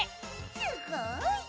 すごい！